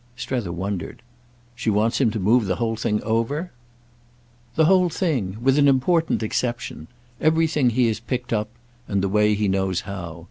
Strether wondered. "She wants him to move the whole thing over?" "The whole thing—with an important exception. Everything he has 'picked up'—and the way he knows how.